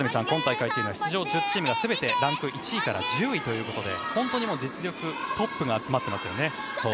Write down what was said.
今大会は出場１０チームがすべてランク１位から１０位ということで本当に実力トップが集まってます。